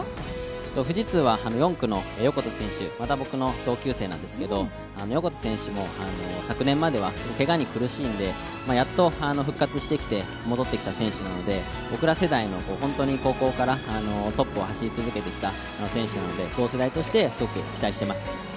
富士通は４区の横手選手、また僕の同級生なんですけど、横手選手も昨年まではけがに苦しんでやっと復活してきて戻ってきた選手なので僕ら世代の、高校からトップを走り続けてきた選手なので同世代としてすごく期待しています。